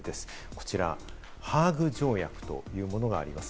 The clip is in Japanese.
こちら、ハーグ条約というものがあります。